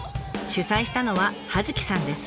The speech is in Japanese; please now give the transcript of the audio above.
主催したのは葉月さんです。